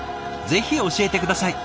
ぜひ教えて下さい。